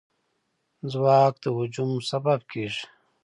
ځواک د هجوم سبب کېږي.